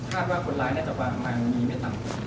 คาดว่าคนร้ายน่าจะออกมามีไม่ต่ำคนหรือเปล่าครับ